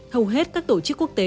hầu hết các tổ chức quốc tế